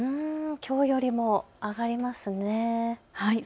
きょうよりも上がりますね。